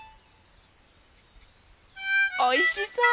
おいしそう。